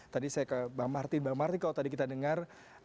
tadi saya ke bang martin bang martin kalau tadi kita dengar